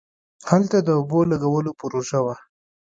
هلته د اوبو لگولو پروژه وه.